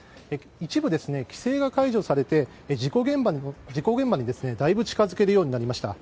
一部、規制が解除されて事故現場にだいぶ近づけるようになりました。